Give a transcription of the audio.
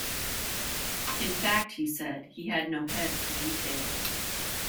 In fact, he said, he had no head for detail.